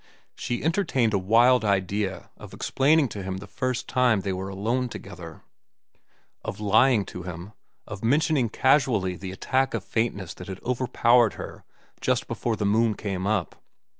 She entertained a wild idea of explaining to him the first time they were alone together, of lying to him, of mentioning casually the attack of faintness that had overpowered her just before the moon came up.